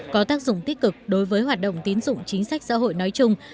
có tác dụng tích cực đối với hoạt động tín dụng chính sách xã hội nói chung